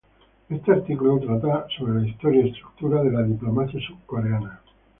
Este artículo trata sobre la historia y estructura de la diplomacia surcoreana.